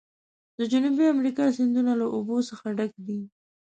د جنوبي امریکا سیندونه له اوبو څخه ډک دي.